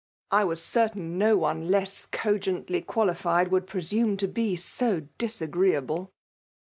I was certain no one less co gently qualified would presume to be so dif agreeable."